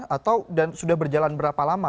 atau dan sudah berjalan berapa lama